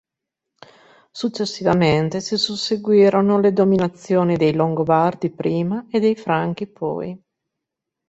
Successivamente si susseguirono le dominazioni dei Longobardi prima e dei Franchi poi.